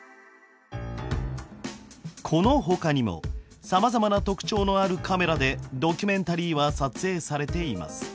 このほかにもさまざまな特徴のあるカメラでドキュメンタリーは撮影されています。